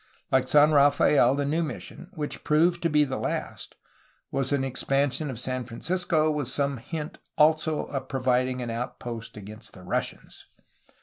Like San Rafael the new mission, which proved to be the last, was an expansion of San Francisco, with some hint also of providing an outpost against the Russians.